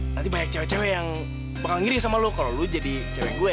nanti banyak cewek cewek yang bakal ngiri sama lo kalau lo jadi cewek gue